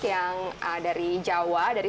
yang dari jawa dari